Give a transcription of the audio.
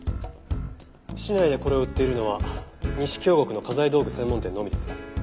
市内でこれを売っているのは西京極の画材道具専門店のみです。